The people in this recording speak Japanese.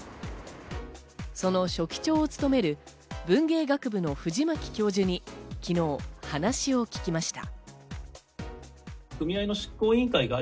その書記長を務める、文芸学部の藤巻教授に昨日、話を聞きました。